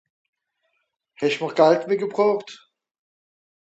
Hesch'm'r s'Gald mitgebrocht?